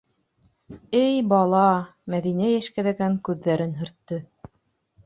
Эй бала, - Мәҙинә йәшкәҙәгән күҙҙәрен һөрттө.